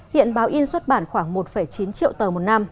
hiện báo in xuất bản khoảng một chín triệu tờ một năm